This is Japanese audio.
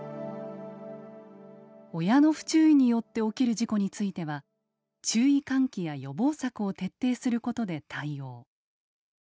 親の不注意によって起きる事故については注意喚起や予防策を徹底することで対応。